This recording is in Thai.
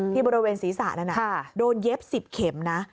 บริเวณศีรษะนั้นโดนเย็บ๑๐เข็มนะ